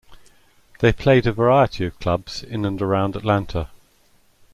They played a variety of clubs in and around Atlanta.